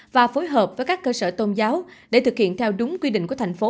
và phối hợp với các cơ sở tôn giáo để thực hiện theo đúng quy định của thành phố